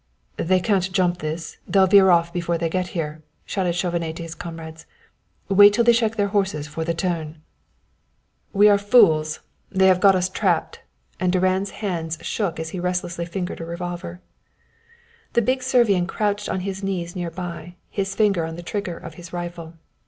"They can't jump this they'll veer off before they get here," shouted Chauvenet to his comrades. "Wait till they check their horses for the turn." "We are fools. They have got us trapped;" and Durand's hands shook as he restlessly fingered a revolver. The big Servian crouched on his knees near by, his finger on the trigger of his rifle.